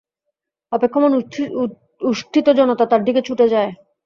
অপেক্ষমাণ উষ্ঠিত জনতা তার দিকে ছুটে যায়।